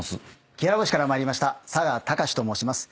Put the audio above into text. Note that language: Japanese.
希楽星から参りました嵯峨崇司と申します。